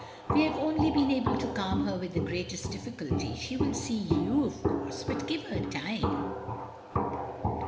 We have only been able to calm her with the greatest difficulty. She will see you^ of course. But give her time."